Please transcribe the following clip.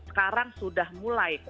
sekarang sudah mulai